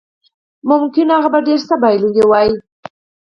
ممکن هغه به ډېر څه بایللي وای